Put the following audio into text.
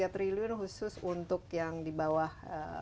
dua puluh tiga triliun khusus untuk yang di bawah